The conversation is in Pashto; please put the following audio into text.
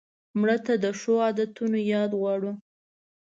مړه ته د ښو عادتونو یاد غواړو